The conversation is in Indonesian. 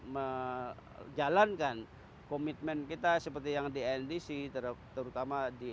menjalankan komitmen kita seperti yang di ndc terutama di